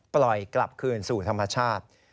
ปล่อยกลับคืนสู่ธรรมชาติ